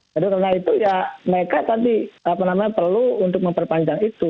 jadi karena itu ya mereka tadi perlu untuk memperpanjang itu